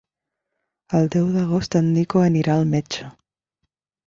El deu d'agost en Nico irà al metge.